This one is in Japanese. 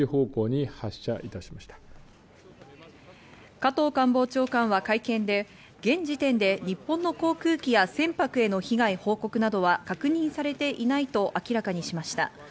加藤官房長官は会見で、現時点で日本の航空機や船舶への被害報告などは確認されていないと明らかにしました。